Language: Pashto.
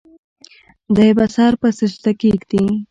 دے به سر پۀ سجده کيږدي